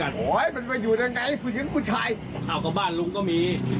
ถ้าเขากรบ้านลุงก็มี